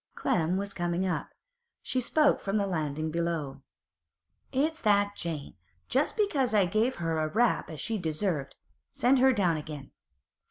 Clem was coming up; she spoke from the landing below. 'It's that Jane, just because I gave her a rap as she deserved. Send her down again.